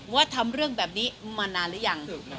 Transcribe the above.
ว่าทำเรื่องแบบนี้มานานหรือยัง